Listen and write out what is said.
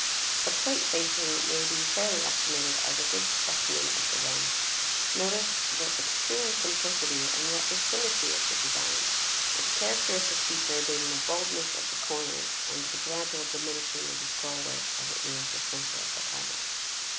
The plate facing may be fairly estimated as a good specimen of Derome. Notice the extreme simplicity and yet the symmetry of the design; its characteristic feature being the boldness of the corners and the gradual diminishing of the scroll work as it nears the centre of the panel.